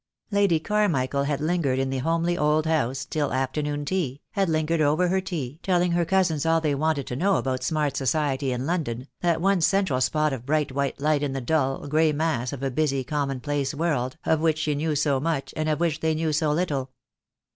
Lady Carmichael had lingered in the homely old house till afternoon tea, had lingered over her tea, telling her cousins all they wanted to know about smart society in London, that one central spot of bright white light in the dull, grey mass of a busy, common place world, of which she knew so much, and of which they knew so little.